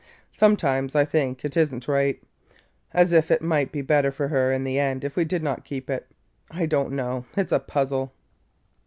Sometimes I think it is n't right, – as if it might be better for her in the end if we did not keep it. I don't know; it 's a puzzle!"